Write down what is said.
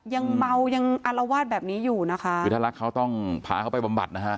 ยังเมายังอารวาสแบบนี้อยู่นะคะคือถ้ารักเขาต้องพาเขาไปบำบัดนะฮะ